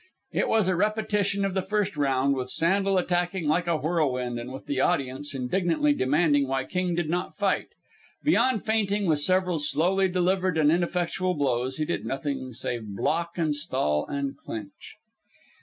It was a repetition of the first round, with Sandel attacking like a whirlwind and with the audience indignantly demanding why King did not fight. Beyond feinting and several slowly delivered and ineffectual blows he did nothing save block and stall and clinch.